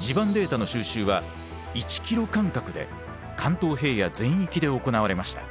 地盤データの収集は１キロ間隔で関東平野全域で行われました。